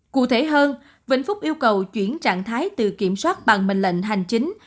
cụ thể hơn vĩnh phúc yêu cầu chuyển trạng thái từ kiểm soát bằng mệnh lệnh hành chính